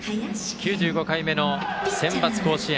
９５回目のセンバツ甲子園。